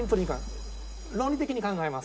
論理的に考えます。